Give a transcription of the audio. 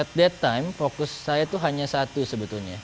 at that time fokus saya itu hanya satu sebetulnya